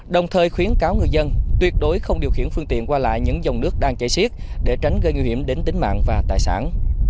đồng thời khuyến cáo người dân tuyệt đối không điều khiển phương tiện qua lại những dòng nước đang chảy xiết để tránh gây nguy hiểm đến tính mạng và tài sản